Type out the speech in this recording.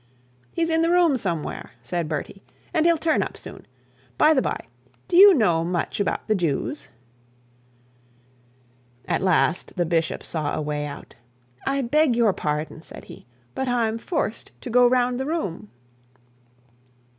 'He's in the room somewhere,' said Bertie, 'and he'll turn up soon. By the bye, do you know much about the Jews?' At last the bishop saw a way out. 'I beg your pardon,' said he; 'but I'm forced to go round the room.'